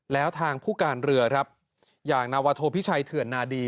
แล้วทางผู้การเรือครับอย่างนาวโทพิชัยเถื่อนนาดี